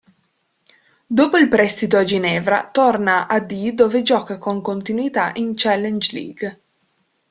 Dopo il prestito a Ginevra torna ad dove gioca con continuità in Challenge League.